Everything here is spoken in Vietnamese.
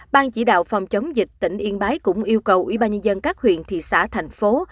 ban chỉ đạo phòng chống dịch tỉnh yên bái cũng yêu cầu ủy ban nhân dân các huyện thị xã thành phố